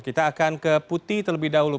kita akan ke putih terlebih dahulu